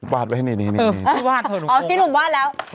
พี่นุ่มวาดแล้ว